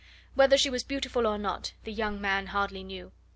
Whether she was beautiful or not the young man hardly knew.